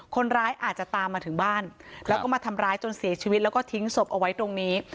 คนร้ายอาจจะตามมาถึงบ้านแล้วก็มาทำร้ายจนเสียชีวิตแล้วก็ทิ้งศพเอาไว้ตรงนี้